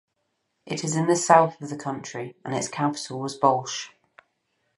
It is in the south of the country, and its capital was Ballsh.